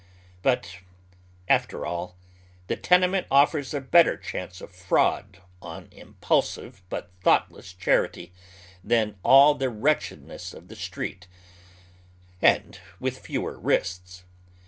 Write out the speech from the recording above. But, after all, the tenement ofEers a better cliance of fraud on impulsive but thoughtleBs charity, than all the wretchedness of the street, and with fewer risks.